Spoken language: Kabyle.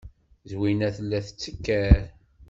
Zwina tella tettaker.